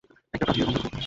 একটি প্রাচীরের অন্ধকূপে।